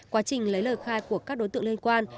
quá trình lấy lời khai của các đối tượng liên quan